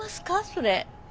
それ。